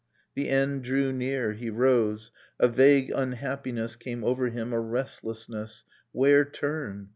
The end drew near, He rose; a vague unhappiness Came over him, a restlessness. Where turn?